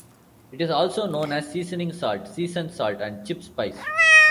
It is also known as seasoning salt, season salt, and chip spice.